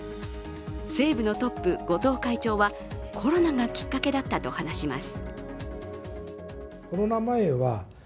西武のトップ、後藤会長はコロナがきっかけだったと話します。